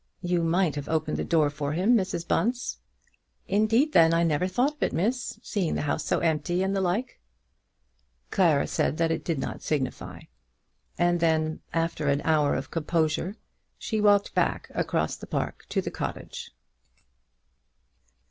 "You might have opened the door for him, Mrs. Bunce." "Indeed then I never thought of it, miss, seeing the house so empty and the like." Clara said that it did not signify; and then, after an hour of composure, she walked back across the park to the cottage.